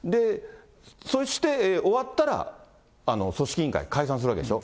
そして終わったら、組織委員会、解散するわけでしょ。